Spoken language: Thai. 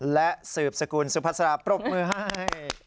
และสืบสกุลสุภาษาปรบมือให้